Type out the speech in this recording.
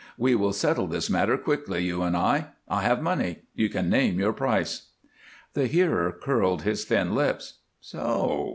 We will settle this matter quickly, you and I. I have money. You can name your price." The hearer curled his thin lips. "So!